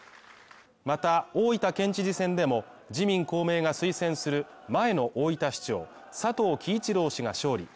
また、大分県知事選でも自民公明が推薦する前の大分市長佐藤樹一郎氏が勝利。